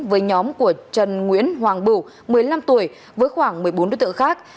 với nhóm của trần nguyễn hoàng bửu một mươi năm tuổi với khoảng một mươi bốn đối tượng khác